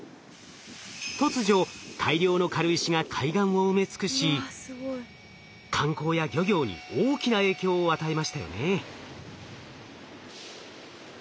突如大量の軽石が海岸を埋め尽くし観光や漁業に大きな影響を与えましたよね。